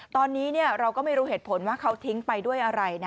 ตอนนี้เราก็ไม่รู้เหตุผลว่าเขาทิ้งไปด้วยอะไรนะ